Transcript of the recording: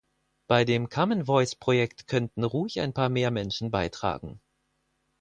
Bei dem Common Voice Projekt könnten ruhig ein paar mehr Menschen beitragen.